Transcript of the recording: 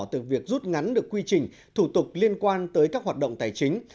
từ việc rút ngắn được quy trình thủ tục liên quan tới các hoạt động tài chính